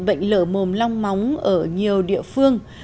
bệnh lở mồm long móng ở nhiều địa phương